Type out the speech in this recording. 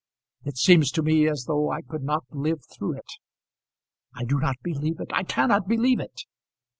It seems to me as though I could not live through it. I do not believe it. I cannot believe it."